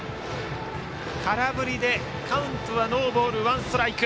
空振りでカウントはノーボール、ワンストライク。